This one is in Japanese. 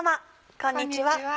こんにちは。